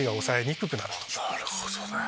なるほどね。